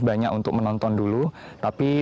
banyak untuk menonton dulu tapi